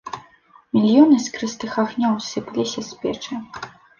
Мільёны іскрыстых агнёў сыпаліся з печы.